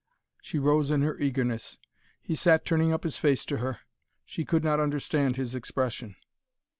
She rose in her eagerness. He sat turning up his face to her. She could not understand his expression.